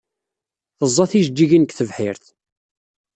Teẓẓa tijejjigin deg tebḥirt.